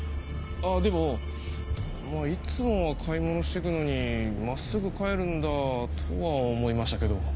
でもいつもは買い物してくのに真っすぐ帰るんだとは思いましたけど。